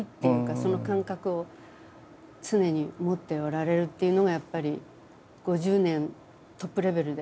その感覚を常に持っておられるっていうのがやっぱり５０年トップレベルで。